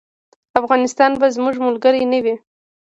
افغانستان به زموږ ملګری نه وي.